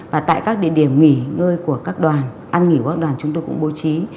và tại các địa điểm nghỉ ngơi của các đoàn ăn nghỉ của các đoàn chúng tôi cũng bố trí